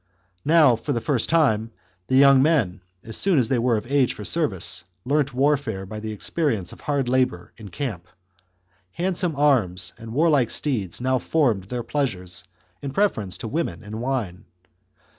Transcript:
Now, for the first time, the young men, as soon as they were of age for service, learnt warfare by the experience of VII. THE CONSPIRACY OF CATILINE. 7 hard labour in camp. Handsome arms and warlike c^.^^ steeds now formed their pleasures in preference to women and wine.